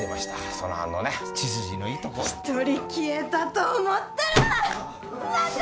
その反応ね血筋のいいとこ１人消えたと思ったらまた！